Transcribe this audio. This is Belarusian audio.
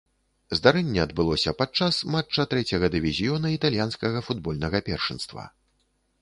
Здарэнне адбылося падчас матча трэцяга дывізіёна італьянскага футбольнага першынства.